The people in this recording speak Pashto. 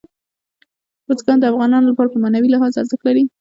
بزګان د افغانانو لپاره په معنوي لحاظ ارزښت لري.